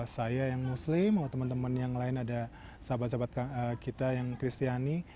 saya yang muslim atau teman teman yang lain ada sahabat sahabat kita yang kristiani